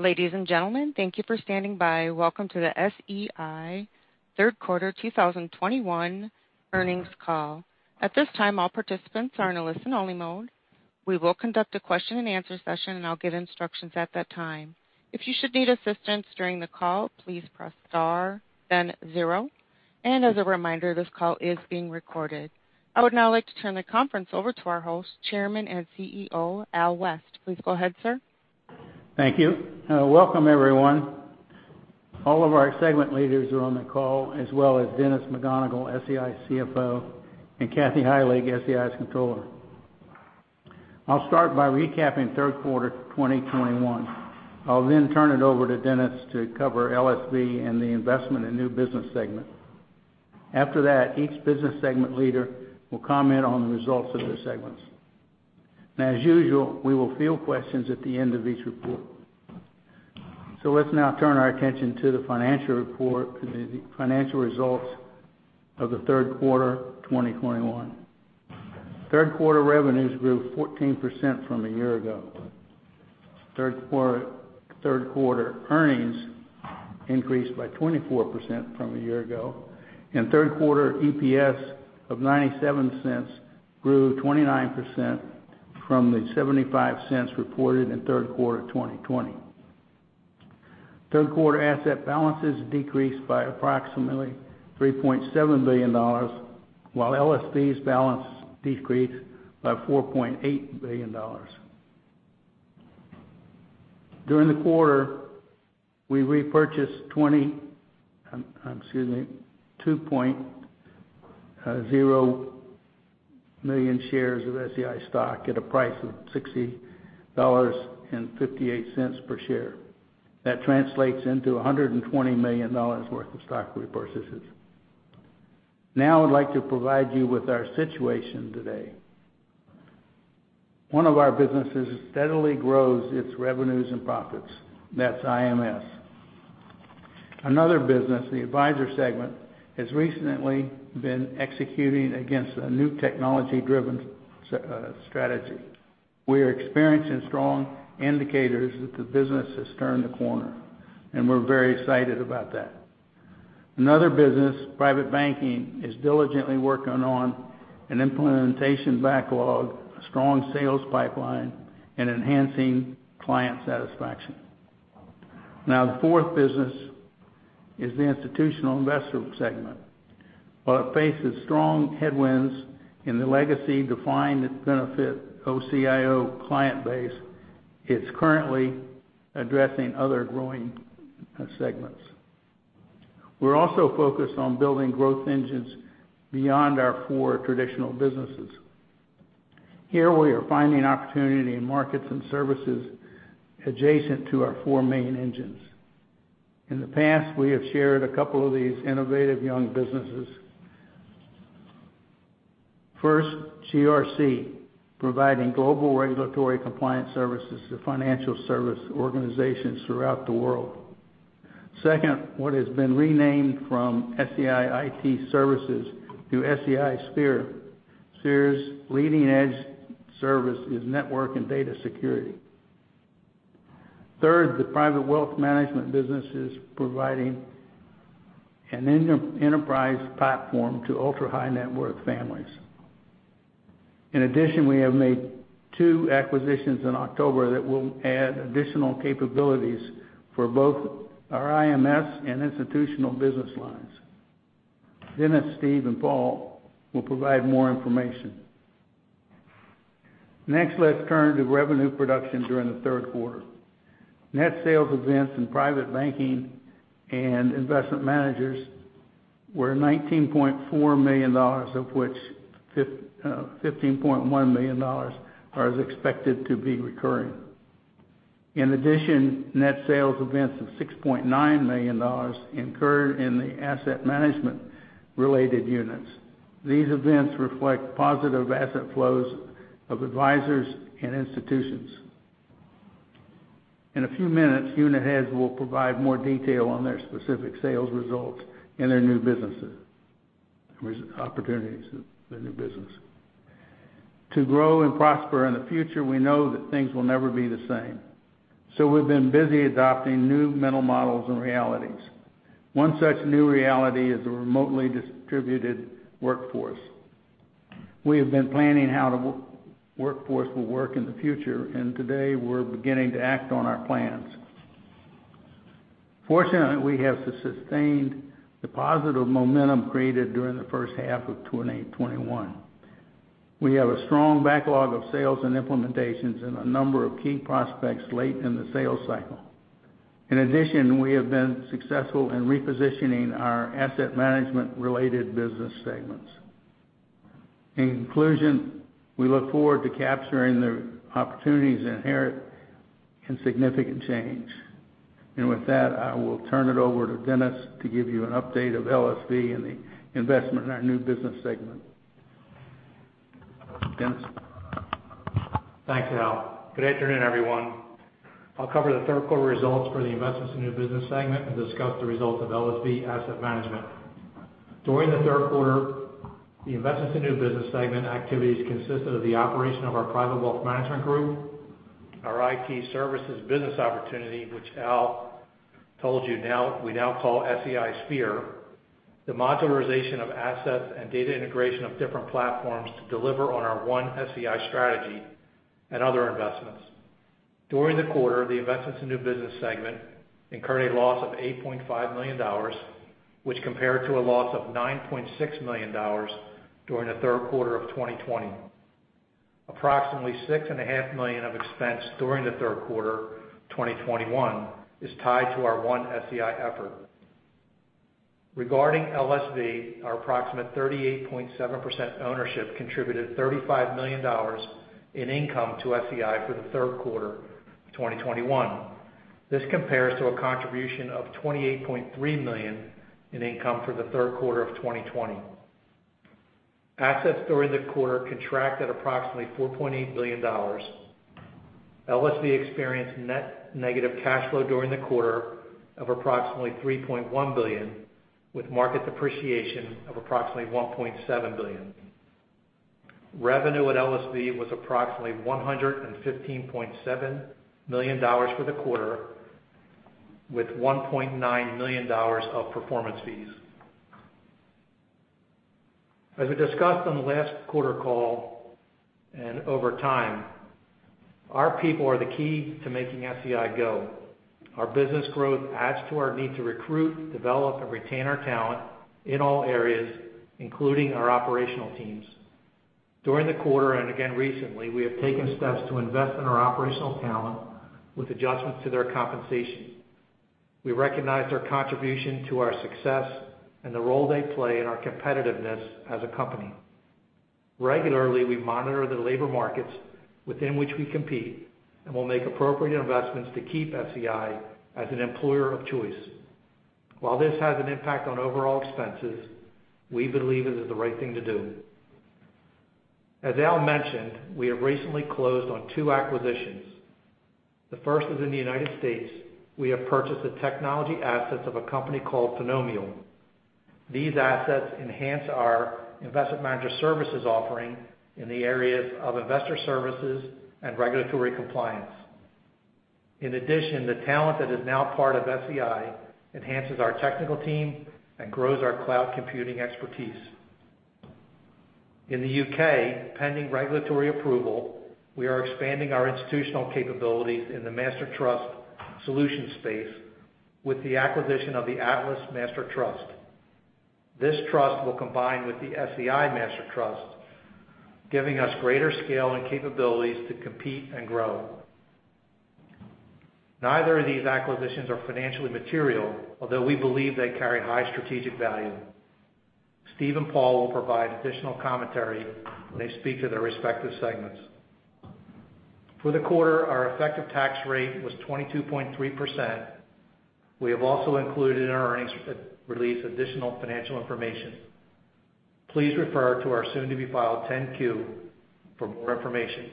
Ladies and gentlemen, thank you for standing by. Welcome to The SEI Third Quarter 2021 Earnings Call. At this time, all participants are in a listen-only mode. We will conduct a question-and-answer session, and I'll give instructions at that time. If you should need assistance during the call, please press star, then zero, and as a reminder, this call is being recorded. I would now like to turn the conference over to our host, Chairman and CEO, Al West. Please go ahead, sir. Thank you. Welcome, everyone. All of our segment leaders are on the call, as well as Dennis McGonigle, SEI CFO, and Kathy Heilig, SEI's Controller. I'll start by recapping the third quarter of 2021. I'll turn it over to Dennis to cover LSV and the investment in the new business segment. After that, each business segment leader will comment on the results of their segments. As usual, we will field questions at the end of each report. Let's now turn our attention to the financial results of the third quarter 2021. Third quarter revenues grew 14% from a year ago. Third quarter earnings increased by 24% from a year ago, and third quarter EPS of $0.97 grew 29% from the $0.75 reported in third quarter 2020. Third-quarter asset balances decreased by approximately $3.7 billion, while LSV's balance decreased by $4.8 billion. During the quarter, we repurchased 2.0 million shares of SEI stock at a price of $60.58 per share. That translates into $120 million worth of stock repurchases. Now I would like to provide you with our situation today. One of our businesses steadily grows its revenues and profits. That's IMS. Another business, the Advisor Segment, has recently been executing against a new technology-driven strategy. We're experiencing strong indicators that the business has turned a corner, and we're very excited about that. Another business, Private Banking, is diligently working on an implementation backlog, a strong sales pipeline, and enhancing client satisfaction. Now, the fourth business is the Institutional Investment Segment. While it faces strong headwinds in the legacy defined benefit OCIO client base, it's currently addressing other growing segments. We're also focused on building growth engines beyond our four traditional businesses. Here, we are finding opportunity in markets and services adjacent to our four main engines. In the past, we have shared a couple of these innovative young businesses. First, GRC, providing global regulatory compliance services to financial service organizations throughout the world. Second, what has been renamed from SEI IT Services to SEI Sphere. Sphere's leading-edge service is network and data security. Third, the private wealth management business is providing an enterprise platform to ultra-high-net-worth families. In addition, we have made two acquisitions in October that will add additional capabilities for both our IMS and institutional business lines. Dennis, Steve, and Paul will provide more information. Next, let's turn to revenue production during the third quarter. Net sales events in private banking and investment managers were $19.4 million, of which $15.1 million are expected to be recurring. In addition, net sales events of $6.9 million occurred in the asset management-related units. These events reflect positive asset flows of advisors and institutions. In a few minutes, unit heads will provide more detail on their specific sales results and their new business opportunities in the new business. To grow and prosper in the future, we know that things will never be the same. We've been busy adopting new mental models and realities. One such new reality is a remotely distributed workforce. We have been planning how the workforce will work in the future, and today we're beginning to act on our plans. Fortunately, we have sustained the positive momentum created during the first half of 2021. We have a strong backlog of sales and implementations and a number of key prospects late in the sales cycle. In addition, we have been successful in repositioning our asset management-related business segments. In conclusion, we look forward to capturing the opportunities inherent in significant change. With that, I will turn it over to Dennis to give you an update of LSV and the investment in our new business segment. Dennis? Thanks, Al. Good afternoon, everyone. I'll cover the third quarter results for the Investments and New Business segment and discuss the results of LSV Asset Management. During the third quarter, the Investments and New Business segment activities consisted of the operation of our private wealth management group, our IT services business opportunity, which Al told you we now call SEI Sphere, the modularization of assets and data integration of different platforms to deliver on our One SEI strategy, and other investments. During the quarter, the Investments and New Business segment incurred a loss of $8.5 million, which compared to a loss of $9.6 million during the third quarter of 2020. Approximately six and a half million of expense during the third quarter 2021 is tied to our One SEI effort. Regarding LSV, our approximate 38.7% ownership contributed $35 million in income to SEI for the third quarter 2021. This compares to a contribution of $28.3 million in income for the third quarter of 2020. Assets during the quarter contracted approximately $4.8 billion. LSV experienced net negative cash flow during the quarter of approximately $3.1 billion, with market depreciation of approximately $1.7 billion. Revenue at LSV was approximately $115.7 million for the quarter, with $1.9 million of performance fees. As we discussed on the last quarter call and over time, our people are the key to making SEI go. Our business growth adds to our need to recruit, develop, and retain our talent in all areas, including our operational teams. During the quarter, and again recently, we have taken steps to invest in our operational talent with adjustments to their compensation. We recognize their contribution to our success and the role they play in our competitiveness as a company. Regularly, we monitor the labor markets within which we compete and will make appropriate investments to keep SEI as an employer of choice. While this has an impact on overall expenses, we believe it is the right thing to do. As Al mentioned, we have recently closed on two acquisitions. The first is in the U.S. We have purchased the technology assets of a company called Finomial. These assets enhance our investment manager services offering in the areas of investor services and regulatory compliance. The talent that is now part of SEI enhances our technical team and grows our cloud computing expertise. In the U.K., pending regulatory approval, we are expanding our institutional capabilities in the master trust solution space with the acquisition of the Atlas Master Trust. This trust will combine with the SEI Master Trust, giving us greater scale and capabilities to compete and grow. Neither of these acquisitions is financially material, although we believe they carry high strategic value. Steve and Paul will provide additional commentary when they speak to their respective segments. For the quarter, our effective tax rate was 22.3%. We have also included in our earnings release additional financial information. Please refer to our soon-to-be-filed 10-Q for more information.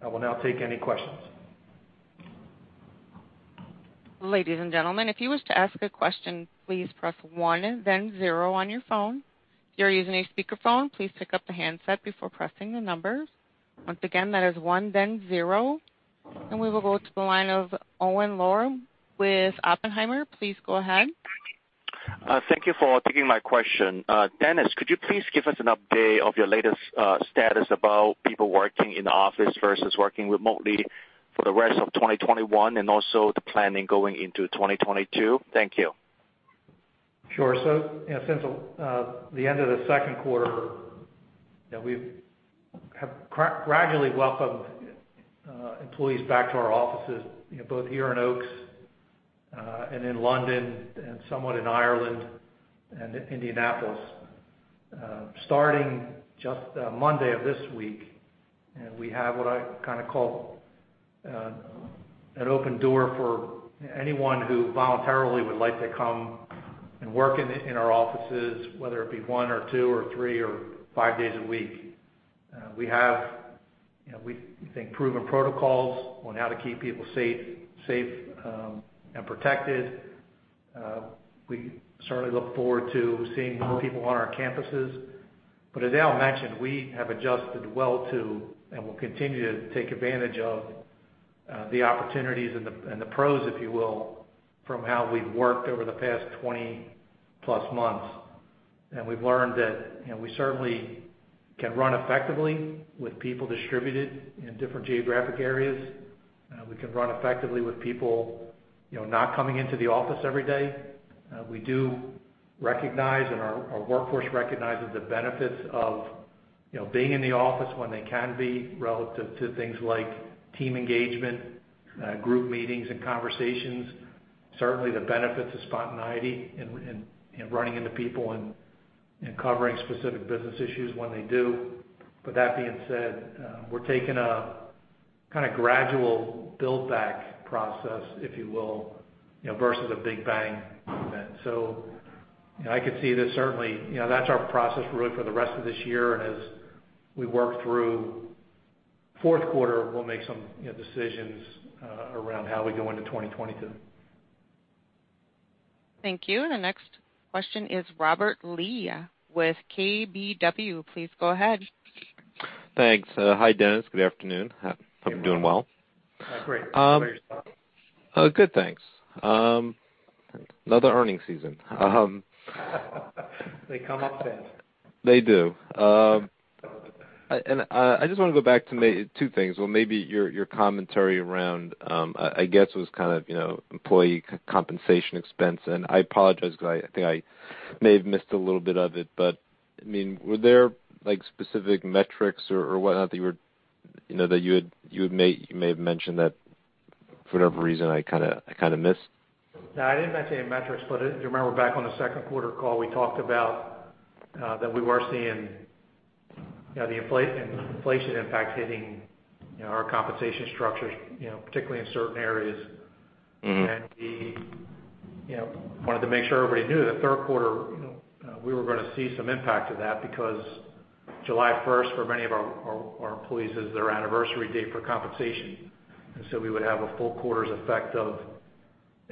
I will now take any questions. Ladies and gentlemen, if you wish to ask a question, please press one, then zero on your phone. If you're using a speakerphone, please pick up the handset before pressing the number. Once again, that is one, then zero. And we will go to the line of Owen Lau with Oppenheimer & Co. Inc. Please go ahead. Thank you for taking my question. Dennis, could you please give us an update of your latest status about people working in the office versus working remotely for the rest of 2021, and also the planning going into 2022? Thank you. Sure. Since the end of the second quarter, we have gradually welcomed employees back to our offices, both here in Oaks and in London and somewhat in Ireland and Indianapolis. Starting just Monday of this week, we have what I call an open door for anyone who voluntarily would like to come and work in our offices, whether it be one or two or three or five days a week. We have proven protocols on how to keep people safe and protected. We certainly look forward to seeing more people on our campuses. As Al mentioned, we have adjusted well to, and will continue to take advantage of, the opportunities and the pros, if you will, from how we've worked over the past +20 months. We've learned that we certainly can run effectively with people distributed in different geographic areas. We can run effectively with people not coming into the office every day. We do recognize, and our workforce recognizes, the benefits of being in the office when they can be, relative to things like team engagement, group meetings, and conversations. Certainly, the benefits of spontaneity in running into people and covering specific business issues when they arise. That being said, we're taking a gradual build-back process, if you will, versus a big-bang event. I could see this certainly. That's our process, really, for the rest of this year. As we work through fourth quarter, we'll make some decisions around how we go into 2022. Thank you. The next question is Robert Lee with KBW. Please go ahead. Thanks. Hi, Dennis. Good afternoon. Hey, Robert. Hope you're doing well. Great. How about yourself? Good, thanks. Another earning season. They come often. They do. I just want to go back to maybe two things. Well, maybe your commentary around it, I guess, was employee compensation expense. I apologize because I think I may have missed a little bit of it, but were there specific metrics or whatnot that you may have mentioned that for whatever reason I kind of missed? No, I didn't mention any metrics, but do you remember back on the second quarter call we talked about how we were seeing the inflation impact hitting our compensation structures, particularly in certain areas? We wanted to make sure everybody knew the third quarter, we were going to see some impact of that because July 1st, for many of our employees, is their anniversary date for compensation. We would have a full quarter's effect of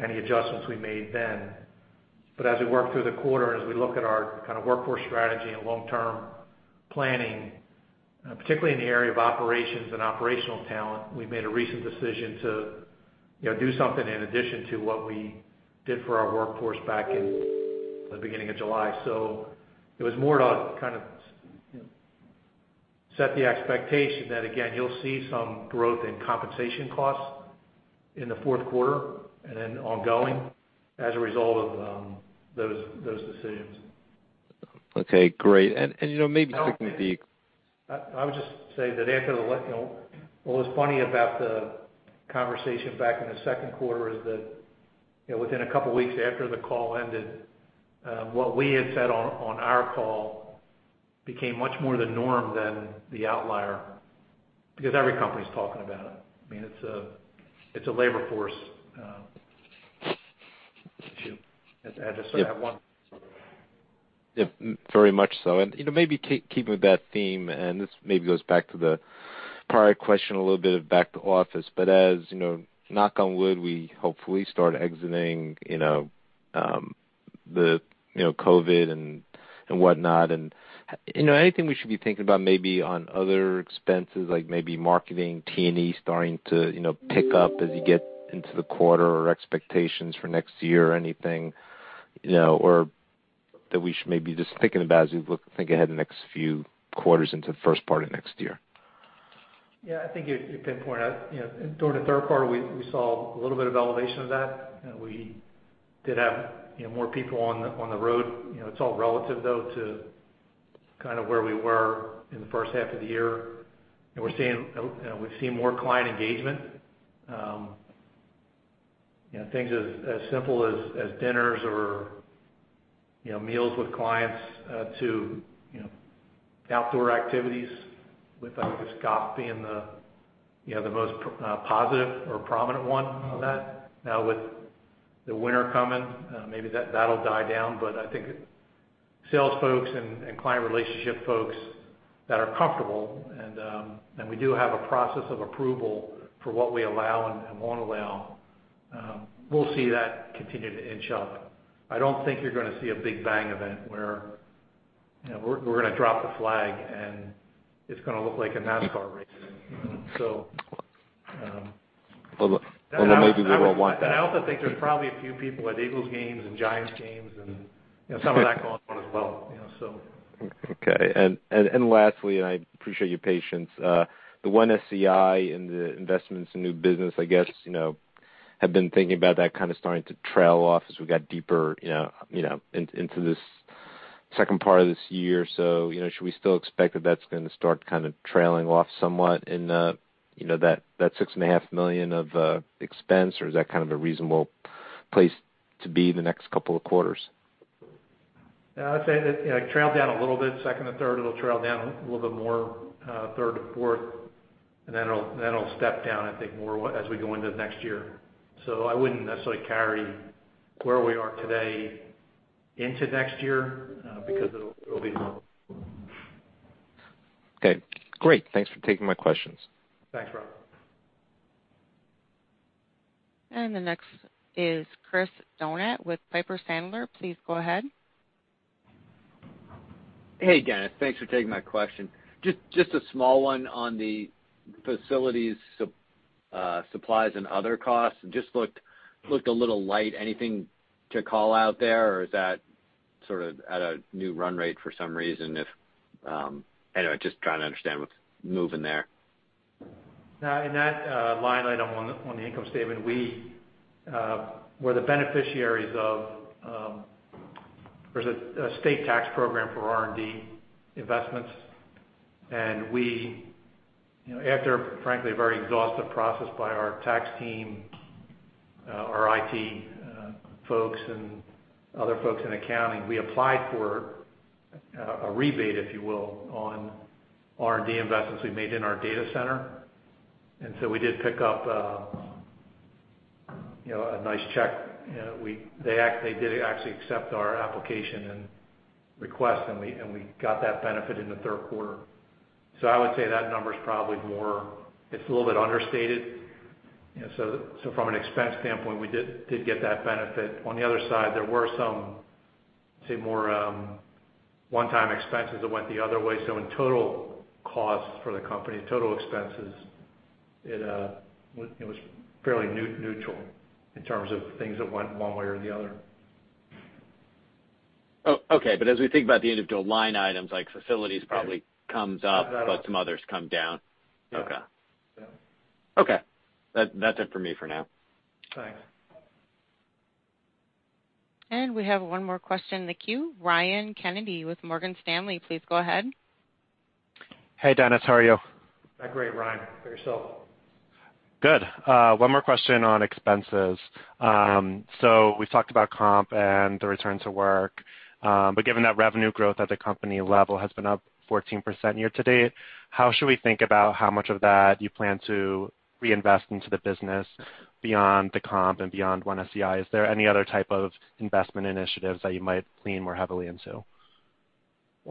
any adjustments we made then. As we work through the quarter and as we look at our kind of workforce strategy and long-term planning, particularly in the area of operations and operational talent, we've made a recent decision to do something in addition to what we did for our workforce back in the beginning of July. It was more to kind of set the expectation that, again, you'll see some growth in compensation costs in the fourth quarter and then ongoing as a result of those decisions. Okay, great. [inaudible] I would just say what was funny about the conversation back in the second quarter is that within a couple of weeks after the call ended, what we had said on our call became much more the norm than the outlier because every company's talking about it. It's a labor force issue. Yeah. Very much so. Maybe keeping with that theme, and this maybe goes back to the prior question a little bit of back to office, but as knock on wood, we hopefully start exiting the COVID and whatnot, and anything we should be thinking about maybe on other expenses, like maybe marketing, T&E starting to pick up as you get into the quarter or expectations for next year or anything, or that we should maybe just be thinking about as we think ahead the next few quarters into the first part of next year? Yeah, I think you pinpointed that during the third quarter, we saw a little bit of elevation of that. We did have more people on the road. It's all relative, though, to where we were in the first half of the year. We're seeing more client engagement. Things as simple as dinners or meals with clients to outdoor activities, with, I guess, golf being the most positive or prominent one on that. Now with the winter coming, maybe that'll die down. I think sales folks and client relationship folks are comfortable, and we do have a process of approval for what we allow and won't allow. We'll see that continue to inch up. I don't think you're going to see a big bang event where we're going to drop the flag, and it's going to look like a NASCAR race. Maybe we will want that. I also think there are probably a few people at Eagles games and Giants games and some of that going on as well. Okay. Lastly, I appreciate your patience. The One SEI in the investments in new business, I guess, has been thinking about that kind of starting to trail off as we got deeper into this second part of this year. Should we still expect that that's going to start kind of trailing off somewhat in that six and a half million of expense, or is that kind of a reasonable place to be in the next couple of quarters? I'd say that it trailed down a little bit from second to third. It'll trail down a little bit more from third to fourth, and then it'll step down, I think, more as we go into next year. I wouldn't necessarily carry where we are today into next year because it'll be low. Okay, great. Thanks for taking my questions. Thanks, Robert. The next is Chris Donat with Piper Sandler. Please go ahead. Hey, Dennis. Thanks for taking my question. Just a small one on the facilities, supplies, and other costs. Just looked a little light. Anything to call out there, or is that sort of at a new run rate for some reason? Anyway, just trying to understand what's moving there. In that line item on the income statement, we're the beneficiaries. There's a state tax program for R&D investments. We, after, frankly, a very exhaustive process by our tax team, our IT folks, and other folks in accounting, applied for a rebate, if you will, on R&D investments we made in our data center. We did pick up a nice check. They did actually accept our application and request, and we got that benefit in the third quarter. I would say that number's probably more, it's a little bit understated. From an expense standpoint, we did get that benefit. On the other side, there were some, say, more one-time expenses that went the other way. In total costs for the company and total expenses, it was fairly neutral in terms of things that went one way or the other. Okay. As we think about the individual line items, like facilities probably comes up, but some others come down. Yeah. Okay. That's it for me for now. Thanks. We have one more question in the queue. Ryan Kenny with Morgan Stanley, please go ahead. Hey, Dennis, how are you? Great, Ryan. Yourself? Good. One more question on expenses. Okay. We've talked about comp and the return to work. Given that revenue growth at the company level has been up 14% year-to-date, how should we think about how much of that you plan to reinvest into the business beyond the comp and beyond One SEI? Is there any other type of investment initiatives that you might lean more heavily into?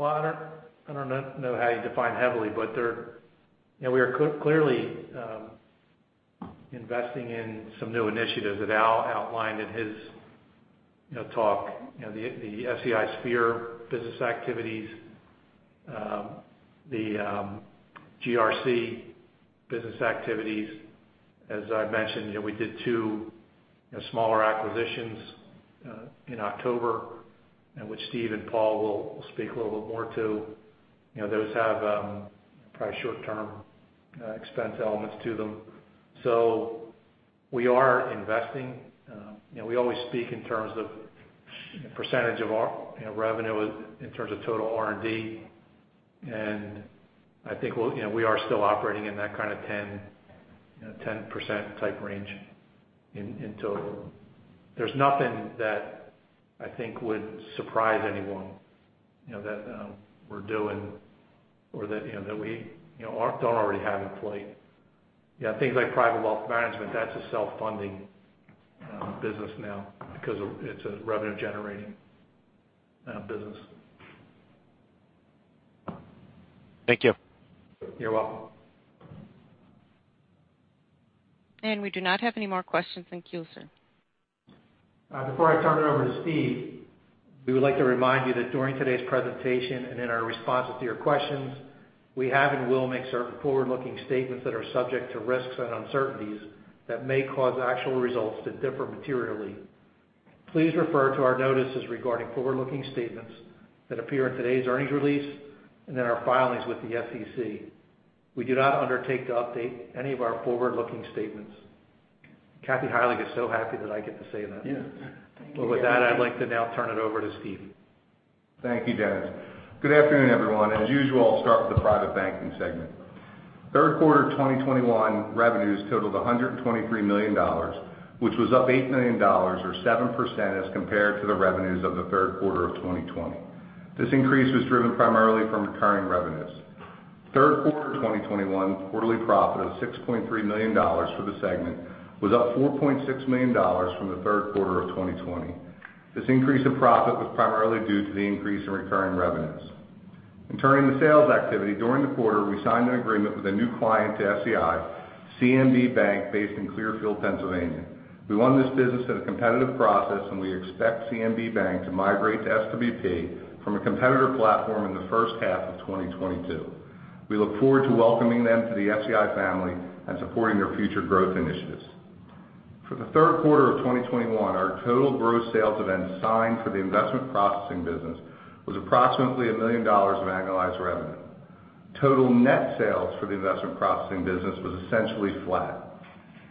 I don't know how you define heavily, but we are clearly investing in some new initiatives that Al outlined in his talk. The SEI Sphere business activities and the GRC business activities. As I mentioned, we did two smaller acquisitions in October, which Steve and Paul will speak a little bit more to. Those probably have short-term expense elements to them. We are investing. We always speak in terms of percentage of our revenue in terms of total R&D. I think we are still operating in that kind of 10% type range in total. There's nothing that I think would surprise anyone that we're doing or that we don't already have in play. Things like private wealth management are self-funding businesses now because they're revenue-generating businesses. Thank you. You're welcome. We do not have any more questions in the queue, sir. Before I turn it over to Steve, we would like to remind you that during today's presentation and in our responses to your questions, we have and will make certain forward-looking statements that are subject to risks and uncertainties that may cause actual results to differ materially. Please refer to our notices regarding forward-looking statements that appear in today's earnings release and in our filings with the SEC. We do not undertake to update any of our forward-looking statements. Kathy Heilig is so happy that I get to say that. Yeah. Thank you. With that, I'd like to now turn it over to Steve. Thank you, Dennis. Good afternoon, everyone. As usual, I will start with the Private Banking segment. Third quarter 2021 revenues totaled $123 million, which was up $8 million, or 7%, as compared to the revenues of the third quarter of 2020. This increase was driven primarily from recurring revenues. Third quarter 2021 quarterly profit of $6.3 million for the segment was up $4.6 million from the third quarter of 2020. This increase in profit was primarily due to the increase in recurring revenues. Turning to sales activity, during the quarter, we signed an agreement with a new client to SEI, CNB Bank, based in Clearfield, Pennsylvania. We won this business at a competitive process, and we expect CNB Bank to migrate to SWP from a competitor platform in the first half of 2022. We look forward to welcoming them to the SEI family and supporting their future growth initiatives. For the third quarter of 2021, our total gross sales events signed for the investment processing business were approximately $1 million of annualized revenue. Total net sales for the investment processing business were essentially flat.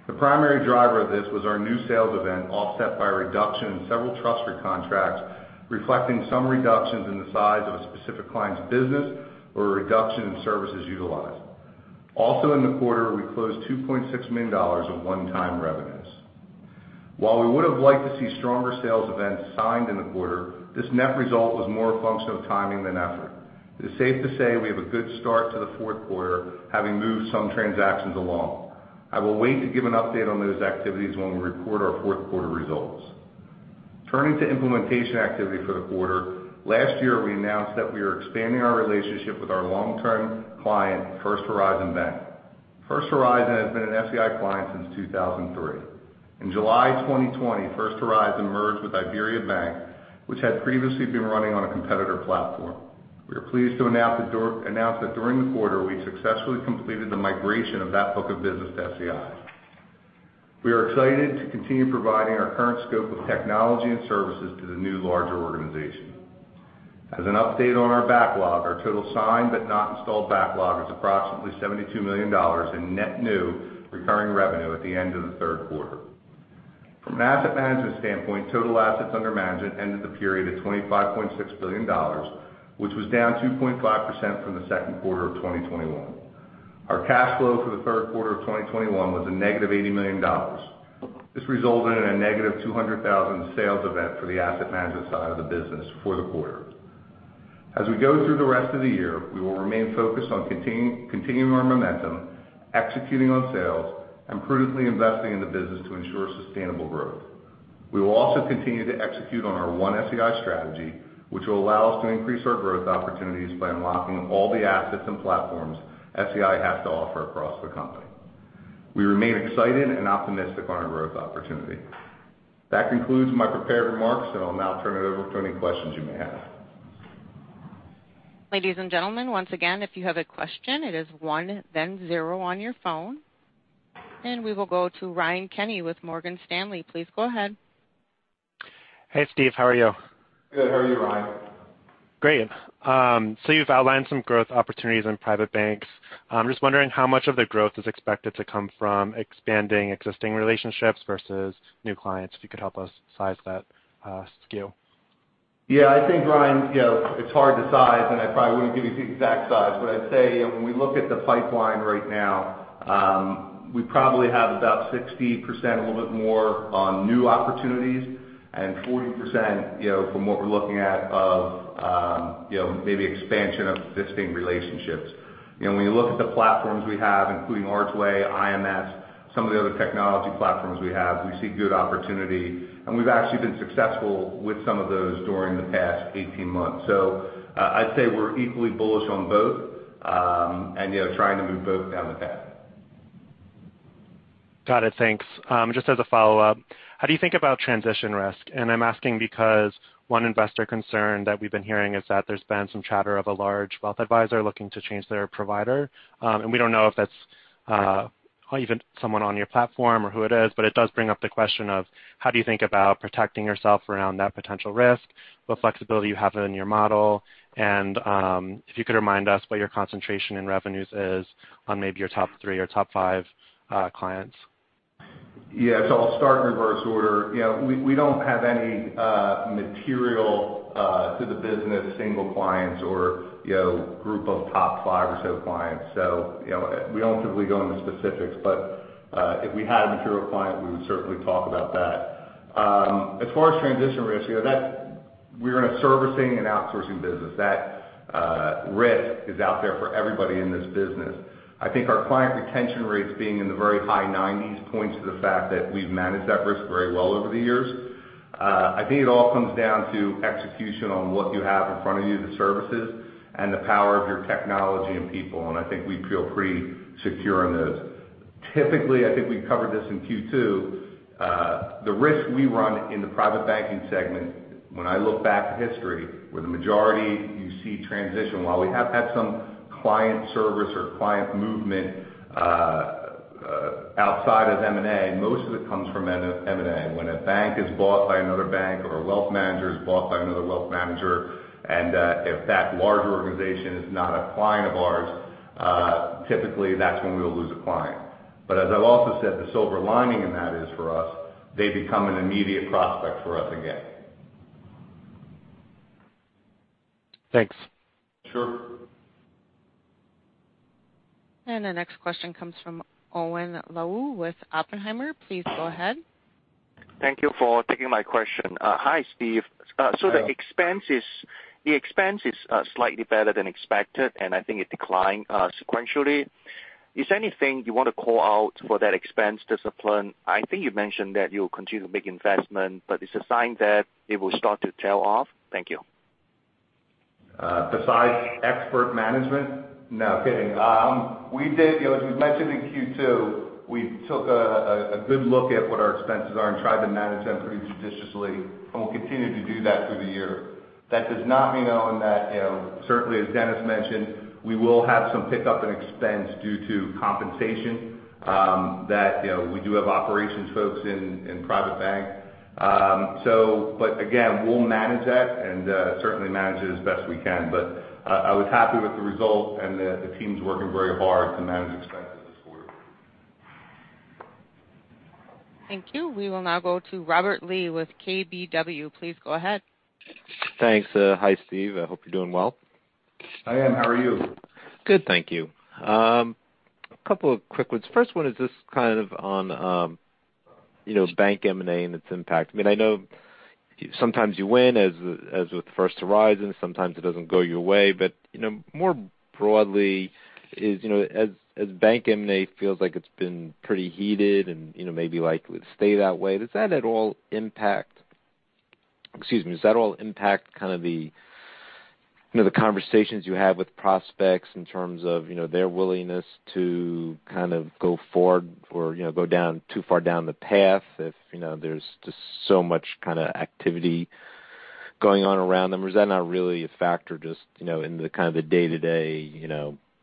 The primary driver of this was our new sales event, offset by a reduction in several trust recontracts, reflecting some reductions in the size of a specific client's business or a reduction in services utilized. In the quarter, we closed $2.6 million of one-time revenues. We would have liked to see stronger sales events signed in the quarter, this net result was more a function of timing than effort. It is safe to say we have a good start to the fourth quarter, having moved some transactions along. I will wait to give an update on those activities when we report our fourth quarter results. Turning to implementation activity for the quarter, last year we announced that we are expanding our relationship with our long-term client, First Horizon Bank. First Horizon has been an SEI client since 2003. In July 2020, First Horizon merged with IBERIABANK, which had previously been running on a competitor platform. We are pleased to announce that during the quarter, we successfully completed the migration of that book of business to SEI. We are excited to continue providing our current scope of technology and services to the new, larger organization. As an update on our backlog, our total signed but not installed backlog is approximately $72 million in net new recurring revenue at the end of the third quarter. From an asset management standpoint, total assets under management ended the period at $25.6 billion, which was down 2.5% from the second quarter of 2021. Our cash flow for the third quarter of 2021 was a negative $80 million. This resulted in a negative 200,000 sales event for the asset management side of the business for the quarter. As we go through the rest of the year, we will remain focused on continuing our momentum, executing on sales, and prudently investing in the business to ensure sustainable growth. We will also continue to execute on our One SEI strategy, which will allow us to increase our growth opportunities by unlocking all the assets and platforms SEI has to offer across the company. We remain excited and optimistic about our growth opportunity. That concludes my prepared remarks, and I'll now turn it over to any questions you may have. Ladies and gentlemen, once again, if you have a question, it is one or zero on your phone. We will go to Ryan Kenny with Morgan Stanley. Please go ahead. Hey, Steve. How are you? Good. How are you, Ryan? Great. You've outlined some growth opportunities in private banks. I'm just wondering how much of the growth is expected to come from expanding existing relationships versus new clients, if you could help us size that skew? I think, Ryan, it's hard to size, and I probably wouldn't give you the exact size. I'd say when we look at the pipeline right now, we probably have about 60%, a little bit more on new opportunities and 40%, from what we're looking at, of maybe expansion of existing relationships. When you look at the platforms we have, including Archway, IMS, and some of the other technology platforms we have, we see good opportunity. We've actually been successful with some of those during the past 18 months. I'd say we're equally bullish on both and trying to move both down the path. Got it. Thanks. Just as a follow-up, how do you think about transition risk? I'm asking because one investor concern that we've been hearing is that there's been some chatter of a large wealth advisor looking to change their provider. We don't know if that's even someone on your platform or who it is, but it does bring up the question of how you think about protecting yourself around that potential risk, what flexibility you have in your model, and if you could remind us what your concentration in revenues is on maybe your top three or top five clients. I'll start in reverse order. We don't have any material for the business's single clients or group of top five or so clients. We don't typically go into specifics, but if we had a material client, we would certainly talk about that. As far as transition risk, we're in a servicing and outsourcing business. That risk is out there for everybody in this business. I think our client retention rates being in the very high 90s points to the fact that we've managed that risk very well over the years. I think it all comes down to execution on what you have in front of you, the services, and the power of your technology and people, and I think we feel pretty secure in those. Typically, I think we covered this in Q2, the risk we run in the private banking segment, when I look back at history, where the majority you see transition, while we have had some client service or client movement outside of M&A, most of it comes from M&A. When a bank is bought by another bank or a wealth manager is bought by another wealth manager, and if that larger organization is not a client of ours, typically that's when we'll lose a client. As I've also said, the silver lining in that is, for us, they become an immediate prospect for us again. Thanks. Sure. The next question comes from Owen Lau with Oppenheimer. Please go ahead. Thank you for taking my question. Hi, Steve. Hello. The expense is slightly better than expected, and I think it declined sequentially. Is there anything you want to call out for that expense discipline? I think you mentioned that you'll continue to make investments, but it's a sign that it will start to tail off. Thank you. Besides expert management? No, kidding. As we've mentioned in Q2, we took a good look at what our expenses are and tried to manage them pretty judiciously, we'll continue to do that through the year. That does not mean, Owen, that certainly, as Dennis mentioned, we will have some pickup in expense due to compensation that we do have operations folks in private bank. Again, we'll manage that and certainly manage it as best we can. I was happy with the result, and the team's working very hard to manage expenses this quarter. Thank you. We will now go to Robert Lee with KBW. Please go ahead. Thanks. Hi, Steve. I hope you're doing well. I am. How are you? Good, thank you. A couple of quick ones. First one is just kind of on bank M&A and its impact. I know sometimes you win, as with First Horizon, sometimes it doesn't go your way. More broadly, as bank M&A feels like it's been pretty heated and maybe likely to stay that way, does that at all impact kind of the conversations you have with prospects in terms of their willingness to kind of go forward or go too far down the path if there's just so much activity going on around them? Is that not really a factor just in the kind of day-to-day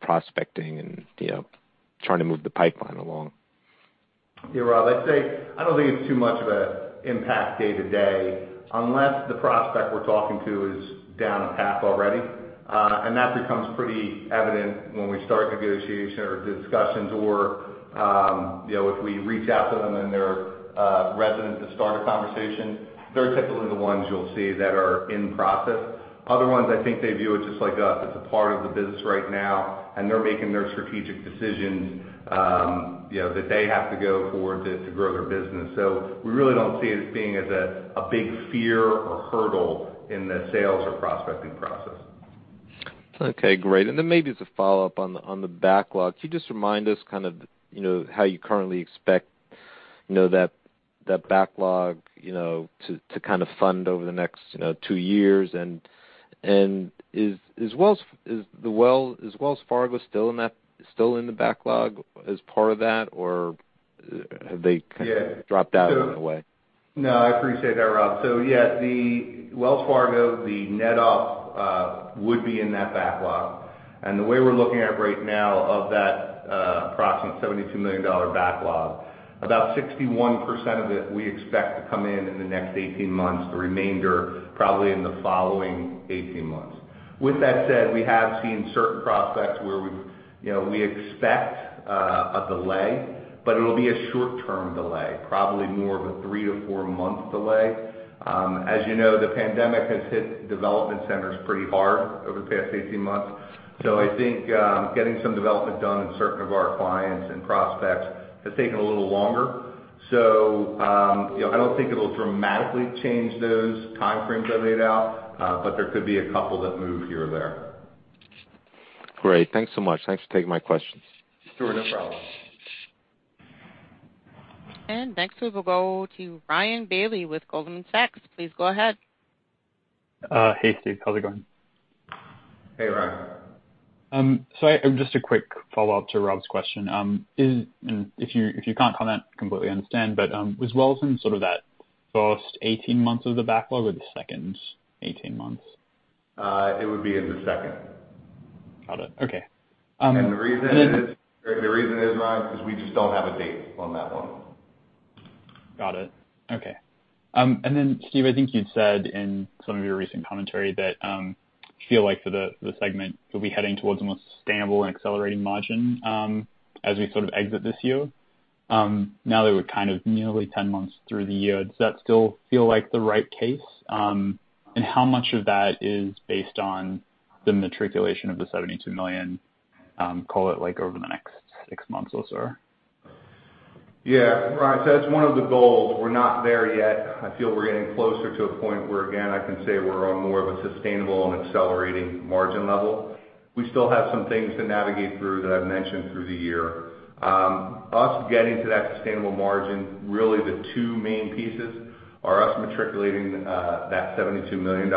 prospecting and trying to move the pipeline along? Yeah, Rob, I'd say I don't think it's too much of an impact day to day, unless the prospect we're talking to is down a path already. That becomes pretty evident when we start negotiation or discussions or if we reach out to them and they're responsive to start a conversation. They're typically the ones you'll see that are in process. Other ones, I think they view it just like us. It's a part of the business right now, and they're making their strategic decisions that they have to go forward to grow their business. We really don't see it as being a big fear or hurdle in the sales or prospecting process. Okay, great. Maybe as a follow-up on the backlog, can you just remind us how you currently expect that backlog to fund over the next two years? Is Wells Fargo still in the backlog as part of that? Yeah ...or they dropped out on the way? No, I appreciate that, Rob. Yeah, the Wells Fargo net off would be in that backlog. The way we're looking at it right now of that approximate $72 million backlog, about 61% of it we expect to come in in the next 18 months, and the remainder probably in the following 18 months. With that said, we have seen certain prospects where we expect a delay, but it'll be a short-term delay, probably more of a three to four-month delay. As you know, the pandemic has hit development centers pretty hard over the past 18 months. I think getting some development done in some of our clients and prospects has taken a little longer. I don't think it'll dramatically change those time frames I laid out, but there could be a couple that move here or there. Great. Thanks so much. Thanks for taking my questions. Sure. No problem. Next we will go to Ryan Bailey with Goldman Sachs. Please go ahead. Hey, Steve. How's it going? Hey, Ryan. Just a quick follow-up to Robert's question. If you can't comment, I completely understand, but was Wells Fargo in sort of that first 18 months of the backlog or the second 18 months? It would be in the second. Got it. Okay. The reason is, Ryan, we just don't have a date on that one. Got it. Okay. Steve, I think you said in some of your recent commentary that you feel like for the segment, you'll be heading towards a more sustainable and accelerating margin as we sort of exit this year. Now that we're kind of nearly 10 months through the year, does that still feel like the right case? How much of that is based on the matriculation of the $72 million, call it, over the next six months or so? Yeah. Ryan, that's one of the goals. We're not there yet. I feel we're getting closer to a point where, again, I can say we're on more of a sustainable and accelerating margin level. We still have some things to navigate through that I've mentioned through the year. Us getting to that sustainable margin, really the two main pieces are us matriculating that $72 million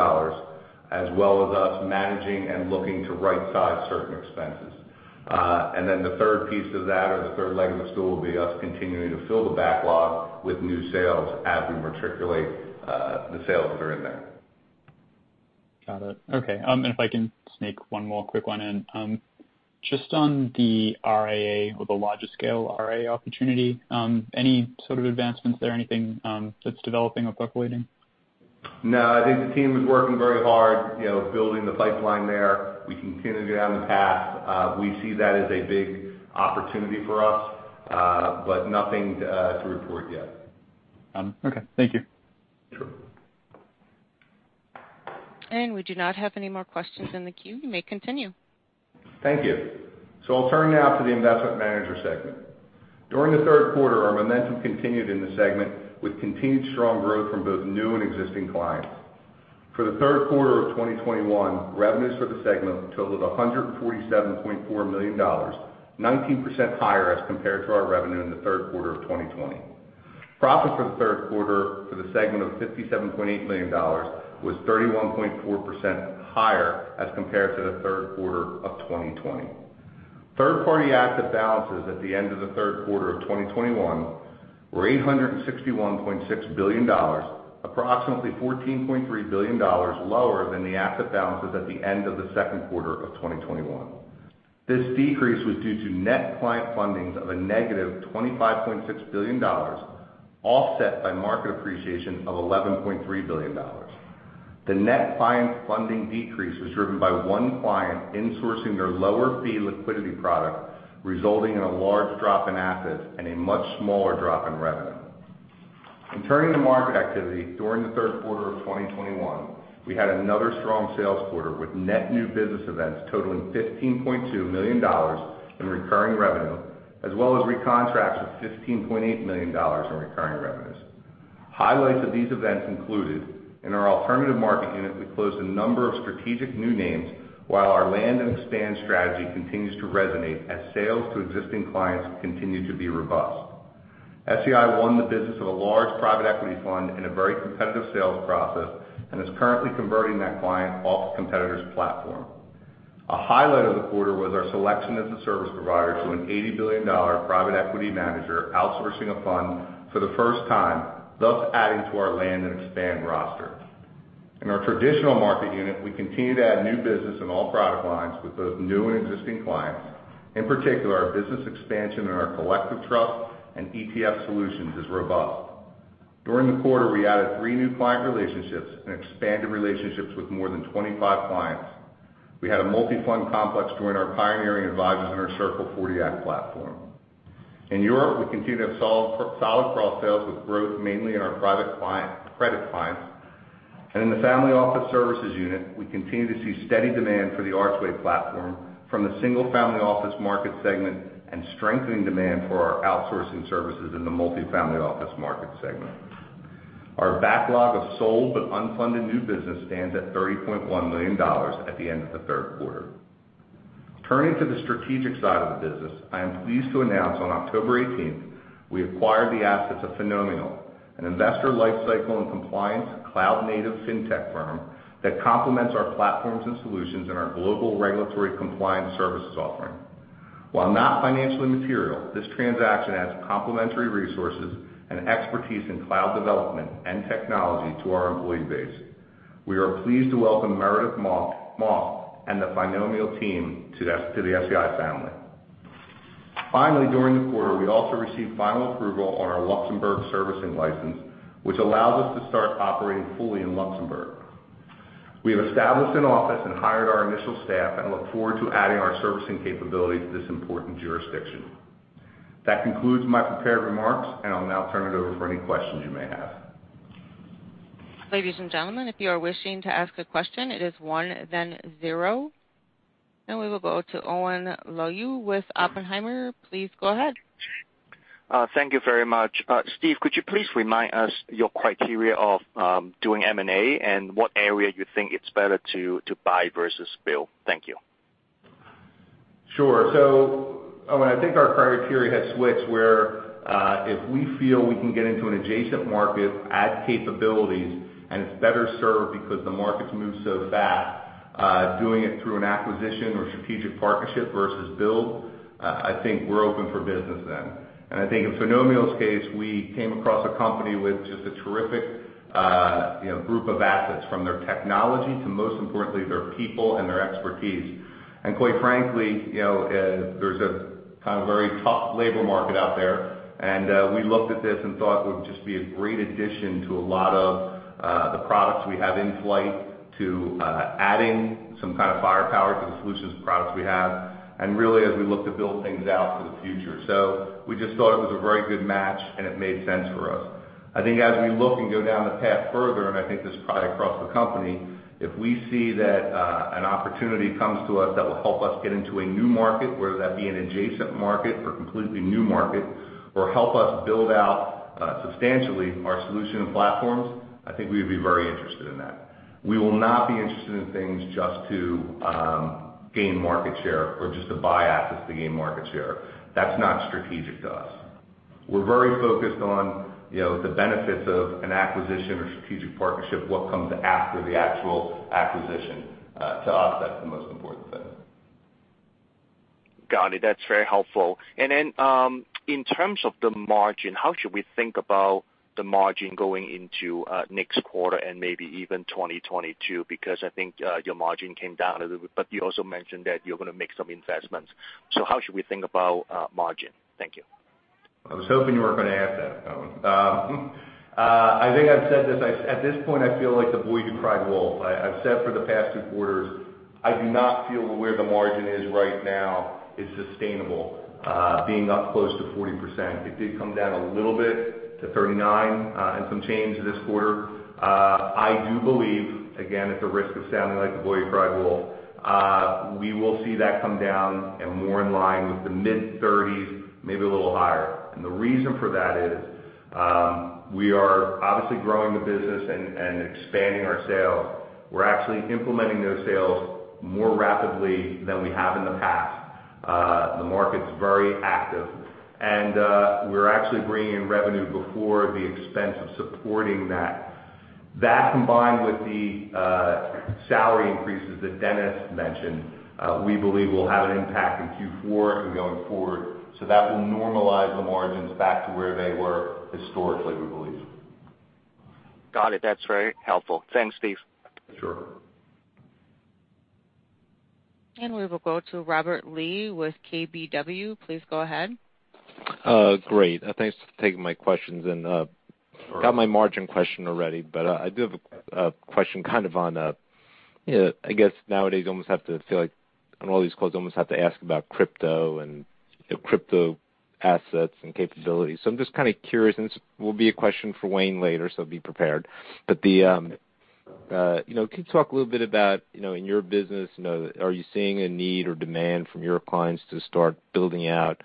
as well as us managing and looking to right-size certain expenses. The third piece of that, or the third leg of the stool, will be us continuing to fill the backlog with new sales as we matriculate the sales that are in there. Got it. Okay. If I can sneak one more quick one in. Just on the RIA, or the larger-scale RIA opportunity, are there any sorts of advancements there? Anything that's developing or percolating? I think the team is working very hard building the pipeline there. We continue to go down the path. We see that as a big opportunity for us. Nothing to report yet. Okay. Thank you. Sure. We do not have any more questions in the queue. You may continue. Thank you. I'll turn now to the investment manager segment. During the third quarter, our momentum continued in the segment with continued strong growth from both new and existing clients. For the third quarter of 2021, revenues for the segment totaled $147.4 million, 19% higher as compared to our revenue in the third quarter of 2020. Profit for the third quarter for the segment of $57.8 million was 31.4% higher as compared to the third quarter of 2020. Third-party active balances at the end of the third quarter of 2021 were $861.6 billion, approximately $14.3 billion lower than the asset balances at the end of the second quarter of 2021. This decrease was due to net client fundings of a negative $25.6 billion, offset by market appreciation of $11.3 billion. The net client funding decrease was driven by 1 client insourcing their lower fee liquidity product, resulting in a large drop in assets and a much smaller drop in revenue. In turning to market activity, during the third quarter of 2021, we had another strong sales quarter with net new business events totaling $15.2 million in recurring revenue, as well as recontracts of $15.8 million in recurring revenues. Highlights of these events included, in our Alternative Market Unit, closing a number of strategic new names, while our land and expand strategy continues to resonate as sales to existing clients continue to be robust. SEI won the business of a large private equity fund in a very competitive sales process and is currently converting that client off a competitor's platform. A highlight of the quarter was our selection as a service provider to an $80 billion private equity manager outsourcing a fund for the first time, thus adding to our land and expand roster. In our traditional market unit, we continue to add new business in all product lines with both new and existing clients. In particular, our business expansion in our collective trust and ETF solutions is robust. During the quarter, we added three new client relationships and expanded relationships with more than 25 clients. We had a multi-fund complex join our pioneering Advisors' Inner Circle Fund 40 Act platform. In Europe, we continue to have solid cross-sales with growth mainly in our private credit clients. In the family office services unit, we continue to see steady demand for the Archway Platform from the single family office market segment and strengthening demand for our outsourcing services in the multi-family office market segment. Our backlog of sold but unfunded new business stands at $30.1 million at the end of the third quarter. Turning to the strategic side of the business, I am pleased to announce on October 18th, we acquired the assets of Finomial, an investor lifecycle and compliance cloud-native Fintech firm that complements our platforms and solutions in our global regulatory compliance services offering. While not financially material, this transaction adds complementary resources and expertise in cloud development and technology to our employee base. We are pleased to welcome Meredith Moss and the Finomial team to the SEI family. Finally, during the quarter, we also received final approval on our Luxembourg servicing license, which allows us to start operating fully in Luxembourg. We have established an office and hired our initial staff and look forward to adding our servicing capability to this important jurisdiction. That concludes my prepared remarks, and I'll now turn it over for any questions you may have. Ladies and gentlemen, if you are wishing to ask a question, it is one, then zero. We will go to Owen Lau with Oppenheimer. Please go ahead. Thank you very much. Steve, could you please remind us of your criteria for doing M&A and what area you think it's better to buy versus build? Thank you. Sure. Owen, I think our criteria have switched, where if we feel we can get into an adjacent market, add capabilities, and it's better served because the markets move so fast, doing it through an acquisition or strategic partnership versus building, I think we're open for business then. I think in Finomial's case, we came across a company with just a terrific group of assets from their technology to, most importantly, their people and their expertise. Quite frankly, there's a kind of very tough labor market out there, and we looked at this and thought it would just be a great addition to a lot of the products we have in flight to add some kind of firepower to the solutions and products we have, and really as we look to build things out for the future. We just thought it was a very good match, and it made sense for us. I think as we look and go down the path further, and I think this is probably across the company, if we see that an opportunity comes to us that will help us get into a new market, whether that be an adjacent market or a completely new market, or help us build out substantially our solution and platforms, I think we would be very interested in that. We will not be interested in things just to gain market share or just to buy assets to gain market share. That's not strategic to us. We're very focused on the benefits of an acquisition or strategic partnership, what comes after the actual acquisition. To us, that's the most important thing. Got it. That's very helpful. In terms of the margin, how should we think about the margin going into next quarter and maybe even 2022? I think your margin came down a little bit, but you also mentioned that you're going to make some investments. How should we think about margin? Thank you. I was hoping you weren't going to ask that, Owen. I think I've said this. At this point, I feel like the boy who cried wolf. I've said for the past two quarters, I do not feel that where the margin is right now is sustainable, being up close to 40%. It did come down a little bit to 39% and some change this quarter. I do believe, again, at the risk of sounding like the boy who cried wolf, we will see that come down more in line with the mid-30s, maybe a little higher. The reason for that is we are obviously growing the business and expanding our sales. We're actually implementing those sales more rapidly than we have in the past. The market's very active. We're actually bringing in revenue before the expense of supporting that. That, combined with the salary increases that Dennis mentioned, we believe will have an impact in Q4 and going forward. That will normalize the margins back to where they were historically, we believe. Got it. That's very helpful. Thanks, Steve. Sure. We will go to Robert Lee with KBW. Please go ahead. Great. Thanks for taking my questions. Sure I got my margin question already. I do have a question kind of on it; I guess nowadays you almost have to feel like on all these calls you almost have to ask about crypto and crypto assets and capabilities. I'm just kind of curious. This will be a question for Wayne later. Be prepared. Could you talk a little bit about your business, are you seeing a need or demand from your clients to start building out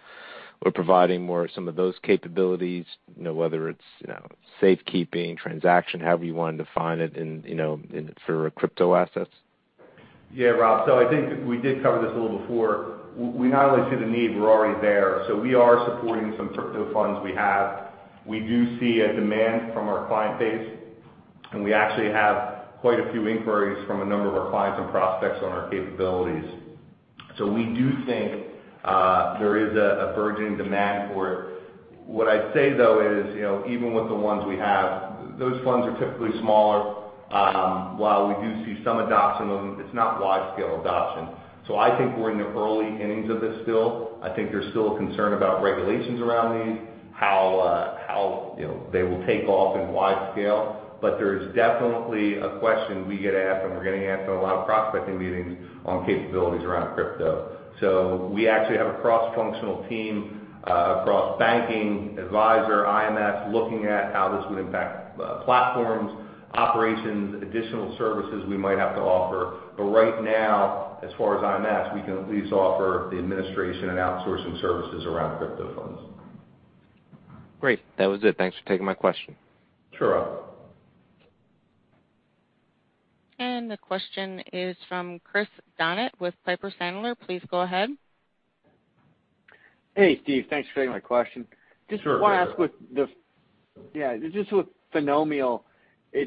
or providing more of some of those capabilities, whether it's safekeeping or transaction, however you want to define it for crypto assets? Yeah, Rob. I think we did cover this a little before. We not only see the need, we're already there. We are supporting some crypto funds we have. We do see a demand from our client base, and we actually have quite a few inquiries from a number of our clients and prospects on our capabilities. We do think there is a burgeoning demand for it. What I'd say, though, is even with the ones we have, those funds are typically smaller. While we do see some adoption of them, it's not wide-scale adoption. I think we're in the early innings of this still. I think there's still a concern about regulations around these and how they will take off on a wide scale. There is definitely a question we get asked, and we're getting asked in a lot of prospecting meetings on capabilities around crypto. We actually have a cross-functional team across banking, advisor, and IMS, looking at how this would impact platforms, operations, and additional services we might have to offer. Right now, as far as IMS, we can at least offer the administration and outsourcing services around crypto funds. Great. That was it. Thanks for taking my question. Sure. The question is from Chris Donat with Piper Sandler. Please go ahead. Hey, Steve. Thanks for taking my question. Sure. Just want to ask, just with Finomial, I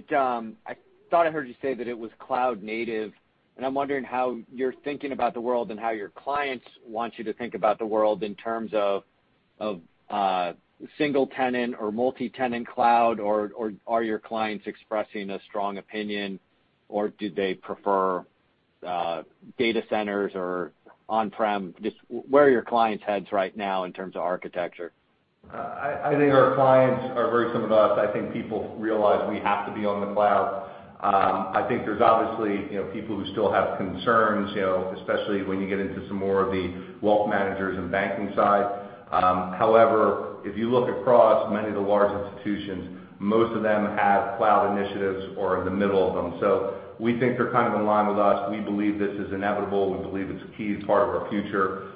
thought I heard you say that it was cloud-native, and I'm wondering how you're thinking about the world and how your clients want you to think about the world in terms of single-tenant or multi-tenant cloud, or are your clients expressing a strong opinion, or do they prefer data centers or on-premises? Just where are your clients' heads right now in terms of architecture? I think our clients are very similar to us. I think people realize we have to be on the cloud. I think there are obviously people who still have concerns, especially when you get into some more of the wealth managers and banking side. If you look across many of the large institutions, most of them have cloud initiatives or are in the middle of them. We think they're kind of in line with us. We believe this is inevitable. We believe it's key. It's part of our future.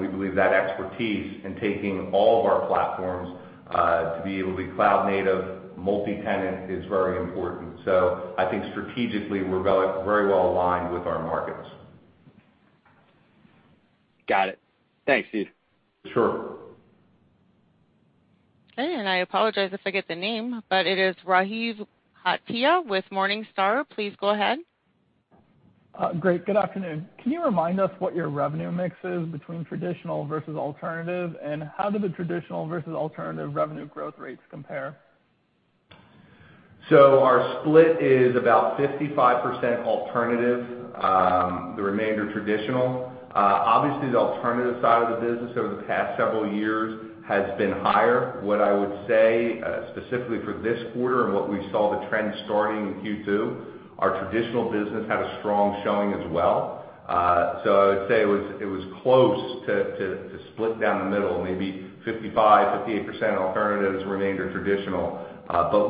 We believe that expertise in taking all of our platforms to be cloud-native and multi-tenant is very important. I think strategically, we're very well-aligned with our markets. Got it. Thanks, Steve. Sure. Okay, I apologize if I get the name, but it is Rajiv Bhatia with Morningstar. Please go ahead. Great. Good afternoon. Can you remind us what your revenue mix is between traditional versus alternative, and how do the traditional versus alternative revenue growth rates compare? Our split is about 55% alternative and the remainder traditional. Obviously, the alternative side of the business over the past several years has been higher. What I would say, specifically for this quarter and what we saw as the trend starting in Q2, is our traditional business had a strong showing as well. I would say it was close to split down the middle, maybe 55% or 58% alternatives and the remainder traditional.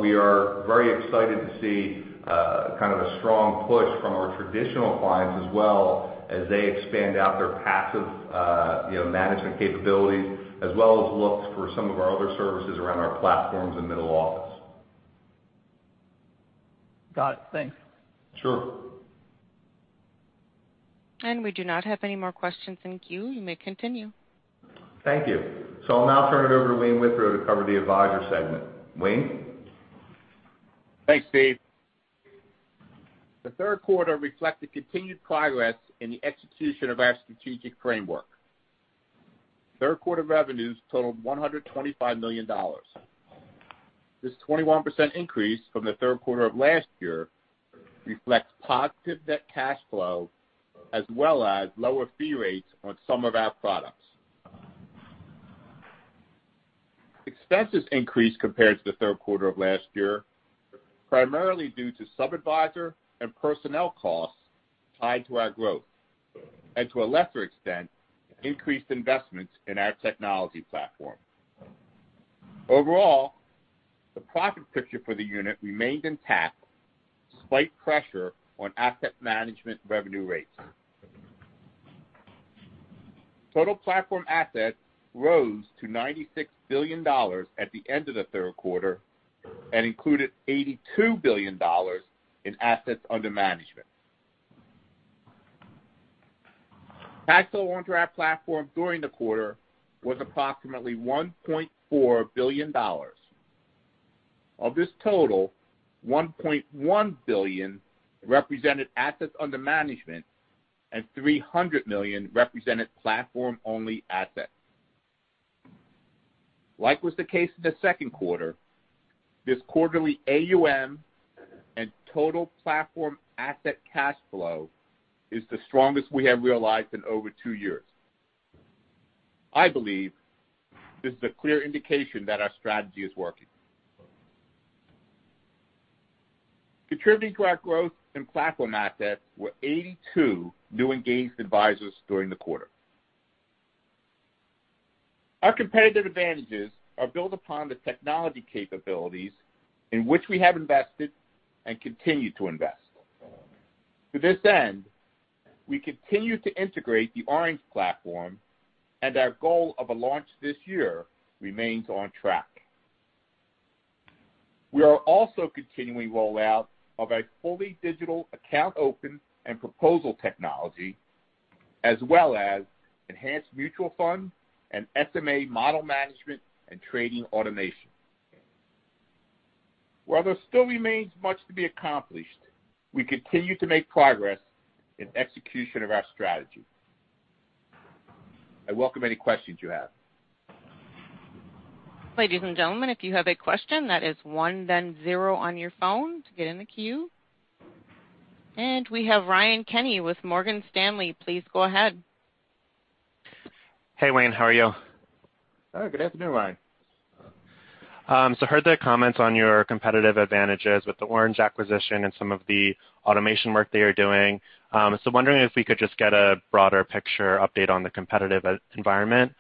We are very excited to see kind of a strong push from our traditional clients as well as they expand out their passive management capabilities, as well as look for some of our other services around our platforms and middle office. Got it. Thanks. Sure. We do not have any more questions in the queue. You may continue. Thank you. I'll now turn it over to Wayne Withrow to cover the Advisor Segment. Wayne? Thanks, Steve. The third quarter reflected continued progress in the execution of our strategic framework. Third quarter revenues totaled $125 million. This 21% increase from the third quarter of last year reflects positive net cash flow as well as lower fee rates on some of our products. Expenses increased compared to the third quarter of last year, primarily due to sub-adviser and personnel costs tied to our growth and, to a lesser extent, increased investments in our technology platform. Overall, the profit picture for the unit remained intact despite pressure on asset management revenue rates. Total platform assets rose to $96 billion at the end of the third quarter and included $82 billion in assets under management. Cash flow onto our platform during the quarter was approximately $1.4 billion. Of this total, $1.1 billion represented assets under management, and $300 million represented platform-only assets. Like was the case in the second quarter, this quarterly AUM and total platform asset cash flow are the strongest we have realized in over two years. I believe this is a clear indication that our strategy is working. Contributing to our growth in platform assets were 82 new engaged advisors during the quarter. Our competitive advantages are built upon the technology capabilities in which we have invested and continue to invest. To this end, we continue to integrate the Oranj platform, and our goal of a launch this year remains on track. We are also continuing the rollout of a fully digital account open and proposal technology, as well as enhanced mutual fund and SMA model management and trading automation. While there still remains much to be accomplished, we continue to make progress in execution of our strategy. I welcome any questions you have. Ladies and gentlemen, if you have a question, that is one, then zero on your phone to get in the queue. We have Ryan Kenny with Morgan Stanley. Please go ahead. Hey, Wayne. How are you? Oh, good afternoon, Ryan. Heard the comments on your competitive advantages with the Oranj acquisition and some of the automation work that you're doing. Wondering if we could just get a broader picture update on the competitive environment.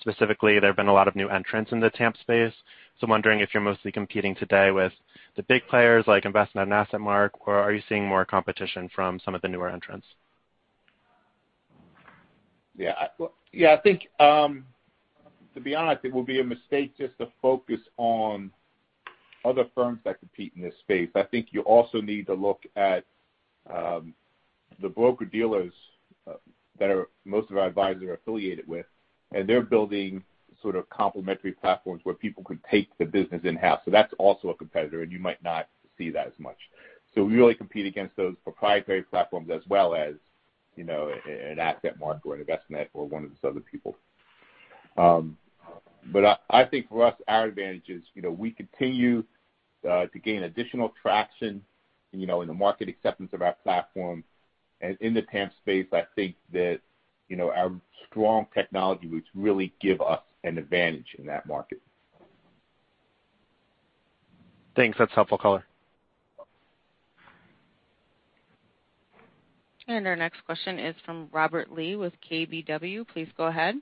Specifically, there have been a lot of new entrants in the TAMP space. I'm wondering if you're mostly competing today with the big players like Envestnet and AssetMark, or are you seeing more competition from some of the newer entrants? Yeah. To be honest, it would be a mistake just to focus on other firms that compete in this space. I think you also need to look at the broker-dealers that most of our advisors are affiliated with, and they're building sort of complementary platforms where people could take the business in-house. That is also a competitor, and you might not see that as much. We really compete against those proprietary platforms as well as an AssetMark or an Envestnet or one of those other people. I think for us, our advantage is we continue to gain additional traction in the market acceptance of our platform. In the TAMP space, I think that our strong technology roots really give us an advantage in that market. Thanks. That's helpful color. Our next question is from Robert Lee with KBW. Please go ahead.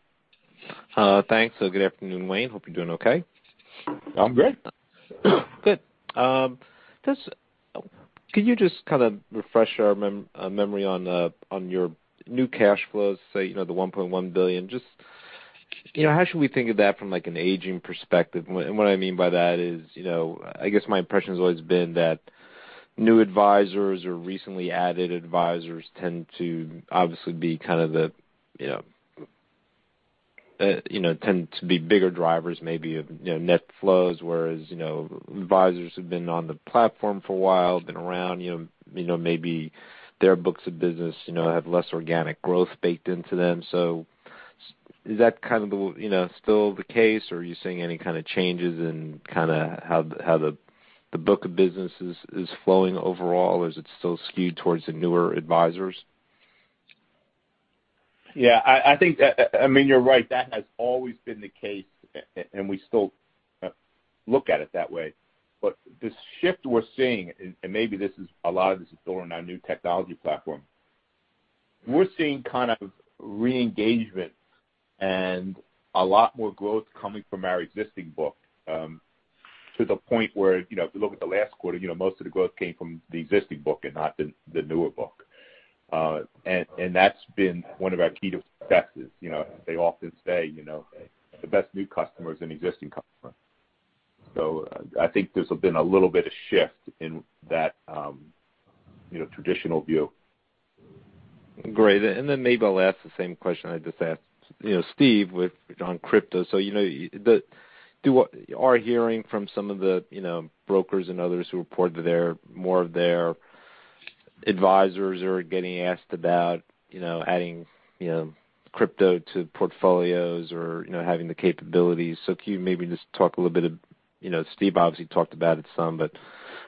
Thanks. Good afternoon, Wayne. Hope you're doing okay. I'm great. Good. Could you just kind of refresh our memory on your new cash flows, say, the $1.1 billion? Just how should we think of that from an aging perspective? What I mean by that is, I guess my impression's always been that new advisors or recently added advisors tend to obviously be bigger drivers, maybe of net flows, whereas advisors who've been on the platform for a while, been around, maybe their books of business have less organic growth baked into them. Is that still the case, or are you seeing any kind of changes in how the book of business is flowing overall? Is it still skewed towards the newer advisors? Yeah. You're right. That has always been the case, and we still look at it that way. The shift we're seeing, and maybe a lot of this is built on our new technology platform, is we're seeing kind of re-engagement and a lot more growth coming from our existing book, to the point where if you look at the last quarter, most of the growth came from the existing book and not the newer book. That's been one of our key successes. They often say the best new customer is an existing customer. I think there's been a little bit of shift in that traditional view. Great. Then maybe I'll ask the same question I just asked Steve on crypto. Are you hearing from some of the brokers and others who report that more of their advisors are getting asked about adding crypto to portfolios or having the capabilities? Can you maybe just talk a little bit? Steve obviously talked about it some, but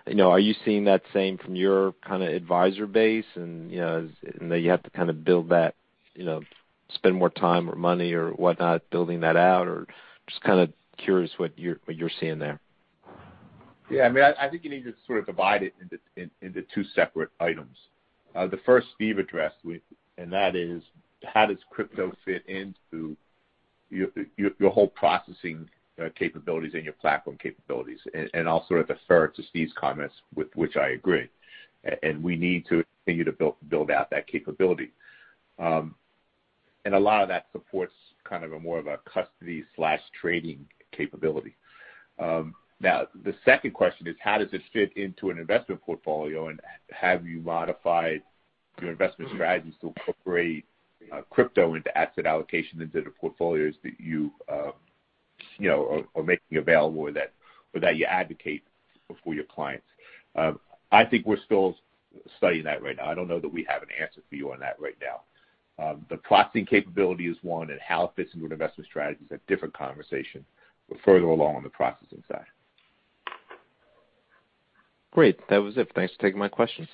are you seeing that same thing from your kind of advisor base, and do you have to kind of build that, spend more time or money or whatnot building that out, or are you just kind of curious what you're seeing there? I think you need to sort of divide it into two separate items. The first Steve addressed is, that is, how does crypto fit into your whole processing capabilities and your platform capabilities? I'll sort of defer to Steve's comments, with which I agree. We need to continue to build out that capability. A lot of that supports kind of more of a custody/trading capability. Now, the second question is how does it fit into an investment portfolio, and have you modified your investment strategies to incorporate crypto into asset allocation into the portfolios that you are making available or that you advocate for your clients? I think we're still studying that right now. I don't know that we have an answer for you on that right now. The processing capability is one, and how it fits into an investment strategy is a different conversation. We're further along on the processing side. Great. That was it. Thanks for taking my questions.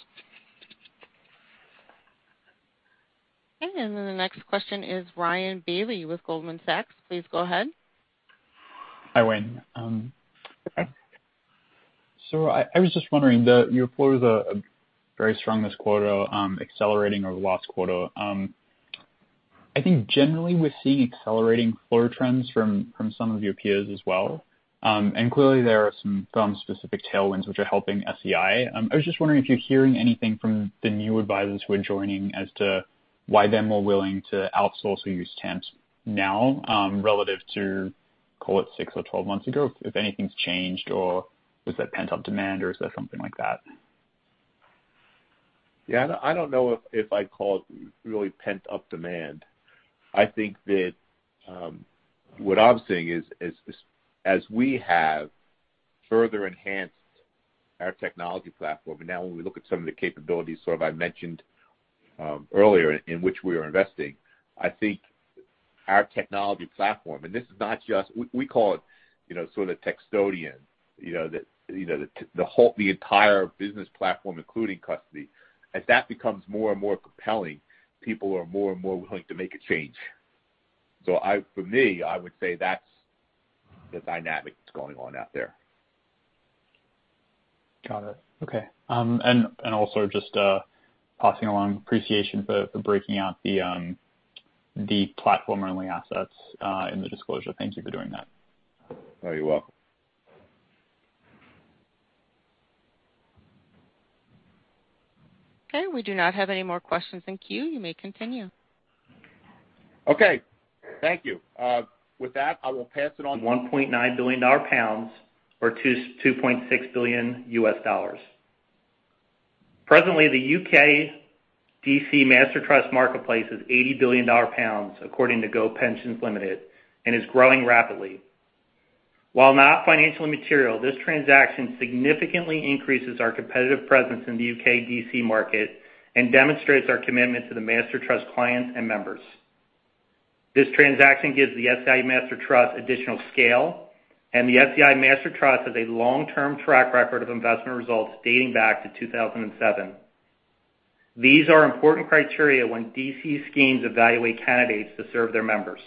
Okay. The next question is Ryan Bailey with Goldman Sachs. Please go ahead. Hi, Wayne. Hi. I was just wondering, your flow was very strong this quarter, accelerating over the last quarter. I think generally we're seeing accelerating flow trends from some of your peers as well. Clearly there are some firm-specific tailwinds that are helping SEI. I was just wondering if you're hearing anything from the new advisors who are joining as to why they're more willing to outsource or use TAMPs now, relative to, call it, six or 12 months ago. If anything's changed, or is that pent-up demand, or is there something like that? Yeah. I don't know if I'd call it really pent-up demand. I think that what I'm seeing is as we have further enhanced our technology platform. Now when we look at some of the capabilities, sort of, I mentioned earlier in which we are investing, I think our technology platform, and this is not just We call it sort of Techstodian, the entire business platform, including custody. As that becomes more and more compelling, people are more and more willing to make a change. For me, I would say that's the dynamic that's going on out there. Got it. Okay. Also just passing along appreciation for breaking out the platform-only assets in the disclosure. Thank you for doing that. Oh, you're welcome. Okay, we do not have any more questions in the queue You may continue. Okay. Thank you. With that, I will pass it on. 1.9 billion pounds or $2.6 billion. Presently, the U.K. DC Master Trust marketplace is 80 billion pounds, according to Go Pensions Limited, and is growing rapidly. While not financially material, this transaction significantly increases our competitive presence in the U.K. and DC markets and demonstrates our commitment to the Master Trust clients and members. This transaction gives the SEI Master Trust additional scale, and the SEI Master Trust has a long-term track record of investment results dating back to 2007. These are important criteria when DC schemes evaluate candidates to serve their members.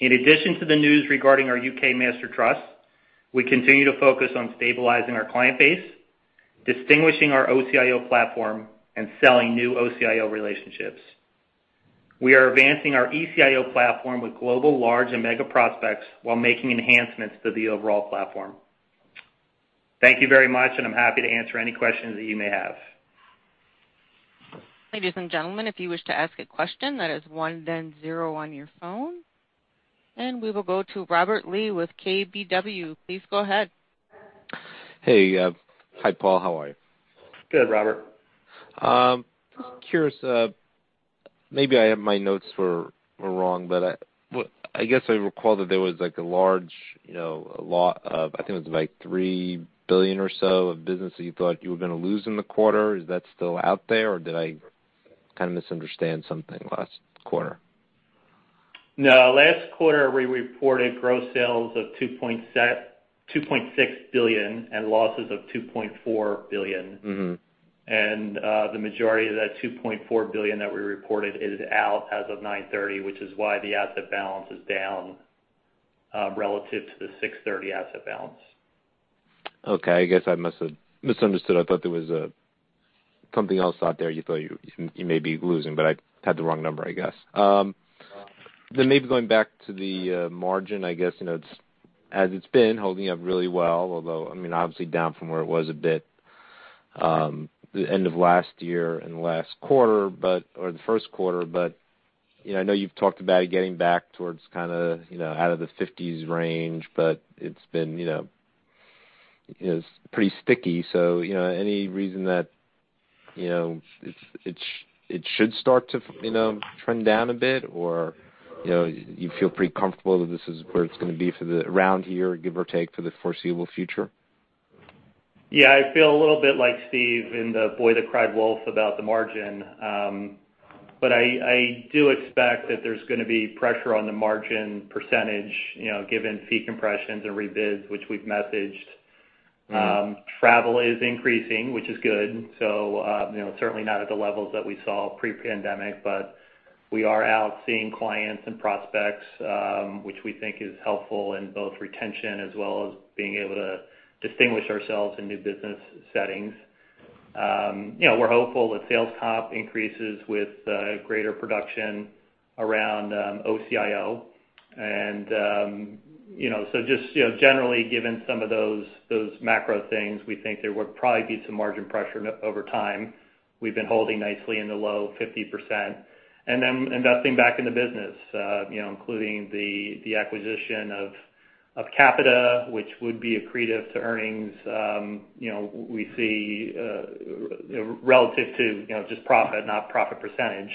In addition to the news regarding our U.K. Master Trust, we continue to focus on stabilizing our client base, distinguishing our OCIO platform, and selling new OCIO relationships. We are advancing our ECIO platform with large and mega global prospects while making enhancements to the overall platform. Thank you very much, and I'm happy to answer any questions that you may have. Ladies and gentlemen, if you wish to ask a question, that is one, then zero on your phone. We will go to Robert Lee with KBW. Please go ahead. Hey. Hi, Paul. How are you? Good, Robert. Just curious. Maybe my notes were wrong, but I guess I recall that there was a large amount, I think it was like $3 billion or so, of business that you thought you were going to lose in the quarter. Is that still out there, or did I kind of misunderstand something last quarter? No, last quarter, we reported gross sales of $2.6 billion and losses of $2.4 billion. The majority of that $2.4 billion that we reported is out as of 9/30, which is why the asset balance is down relative to the 6/30 asset balance. Okay, I guess I must have misunderstood. I thought there was something else out there you thought you may be losing, but I had the wrong number, I guess. Maybe going back to the margin, I guess, as it's been holding up really well, although, obviously, down from where it was a bit at the end of last year and the first quarter. I know you've talked about it getting back towards out of the 50s range, but it's been pretty sticky. Any reason that it should start to trend down a bit, or do you feel pretty comfortable that this is where it's going to be around here, give or take, for the foreseeable future? Yeah, I feel a little bit like Steve in The Boy Who Cried Wolf about the margin. I do expect that there's going to be pressure on the margin percentage given fee compressions and rebids, which we've messaged. Travel is increasing, which is good. Certainly not at the levels that we saw pre-pandemic, but we are out seeing clients and prospects, which we think is helpful both in retention and in being able to distinguish ourselves in new business settings. We're hopeful that sales comp increases with greater production around OCIO. Just generally given some of those macro things, we think there would probably be some margin pressure over time. We've been holding nicely in the low 50%. Investing back in the business, including the acquisition of Capita, which would be accretive to earnings. We see relative to just profit, not profit percentage.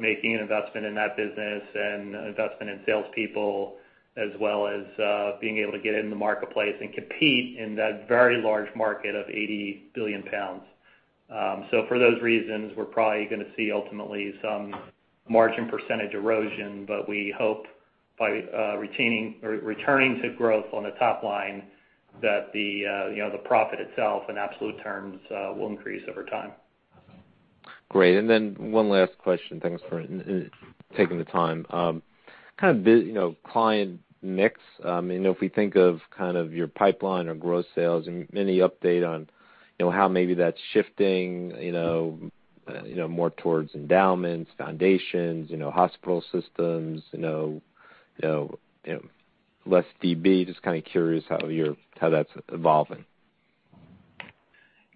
Making an investment in that business and investment in salespeople, as well as being able to get in the marketplace and compete in that very large market of 80 billion pounds. For those reasons, we're probably going to see ultimately some margin percentage erosion. We hope, by returning to growth on the top line, that the profit itself in absolute terms will increase over time. Great. One last question. Thanks for taking the time. Client mix, if we think of your pipeline or growth sales, any update on how maybe that's shifting more towards endowments, foundations, and hospital systems and less DB? Just curious how that's evolving.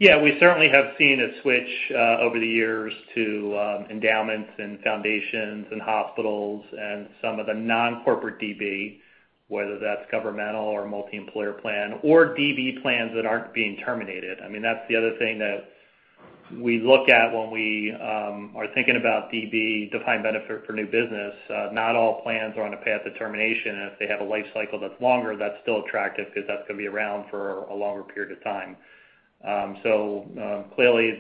We certainly have seen a switch over the years to endowments and foundations and hospitals and some of the non-corporate DB, whether that's governmental or a multi-employer plan or DB plans that aren't being terminated. That's the other thing that we look at when we are thinking about DB defined benefits for new business. Not all plans are on a path to termination, and if they have a life cycle that's longer, that's still attractive because that's going to be around for a longer period of time. Clearly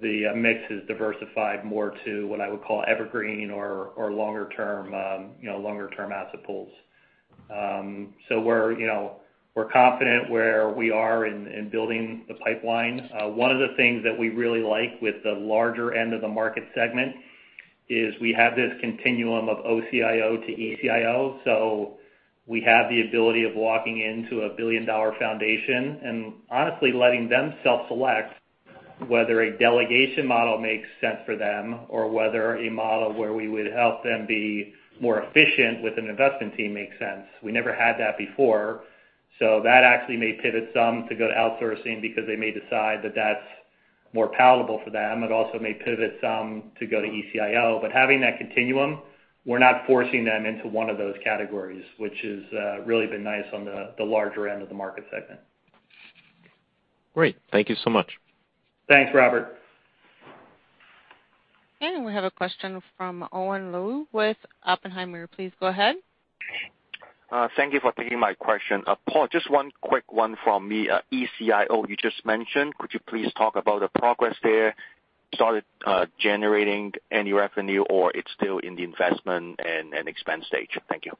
the mix has diversified more to what I would call evergreen or longer-term asset pools. We're confident about where we are in building the pipeline. One of the things that we really like with the larger end of the market segment is we have this continuum from OCIO to ECIO. We have the ability of walking into a billion-dollar foundation and honestly letting them self-select whether a delegation model makes sense for them or whether a model where we would help them be more efficient with an investment team makes sense. We never had that before, that actually may pivot some to go to outsourcing because they may decide that that's more palatable for them. It also may pivot some to go to ECIO. Having that continuum, we're not forcing them into one of those categories, which has really been nice on the larger end of the market segment. Great. Thank you so much. Thanks, Robert. We have a question from Owen Lau with Oppenheimer. Please go ahead. Thank you for taking my question. Paul, just one quick one from me. ECIO, you just mentioned, could you please talk about the progress there? Started generating any revenue, or is it still in the investment and expense stage? Thank you.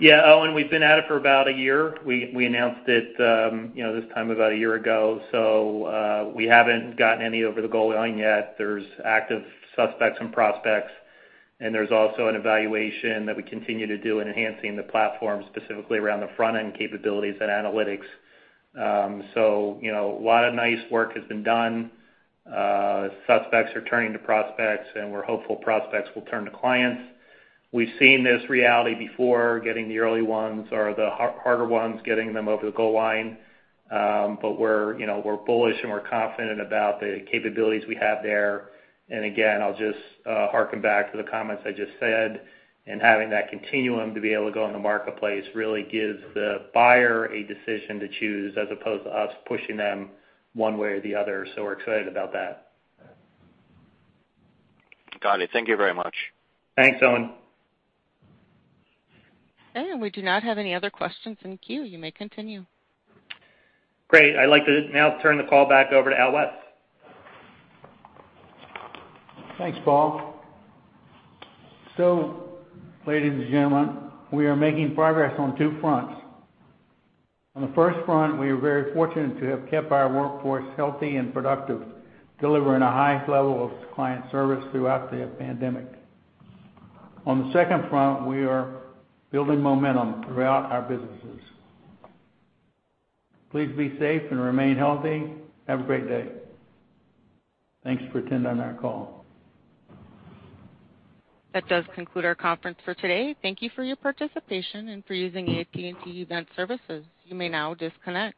Yeah, Owen, we've been at it for about a year. We announced it this time about a year ago, we haven't gotten anything over the goal line yet. There are active suspects and prospects, and there's also an evaluation that we continue to do in enhancing the platform, specifically around the front-end capabilities and analytics. A lot of nice work has been done. Suspects are turning to prospects, and we're hopeful prospects will turn to clients. We've seen this reality before, getting the early ones or the harder ones over the goal line. We're bullish and we're confident about the capabilities we have there. Again, I'll just harken back to the comments I just said, and having that continuum to be able to go in the marketplace really gives the buyer a decision to choose, as opposed to us pushing them one way or the other. We're excited about that. Got it. Thank you very much. Thanks, Owen. We do not have any other questions in the queue. You may continue. Great. I'd like to now turn the call back over to Al West. Thanks, Paul. Ladies and gentlemen, we are making progress on two fronts. On the first front, we are very fortunate to have kept our workforce healthy and productive, delivering a high level of client service throughout the pandemic. On the second front, we are building momentum throughout our businesses. Please be safe and remain healthy. Have a great day. Thanks for attending our call. That does conclude our conference for today. Thank you for your participation and for using AT&T Event Services. You may now disconnect.